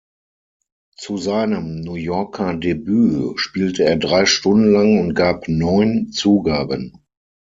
Zu seinem New Yorker Debüt spielte er drei Stunden lang und gab neun Zugaben.